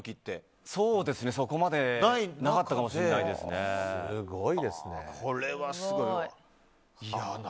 そうですね、そこまでなかったかもしれないですね。